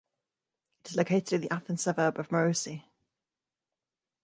It is located in the Athens suburb of Marousi.